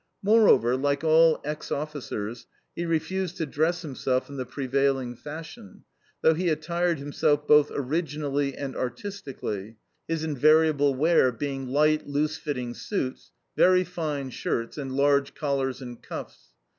Moreover, like all ex officers, he refused to dress himself in the prevailing fashion, though he attired himself both originally and artistically his invariable wear being light, loose fitting suits, very fine shirts, and large collars and cuffs.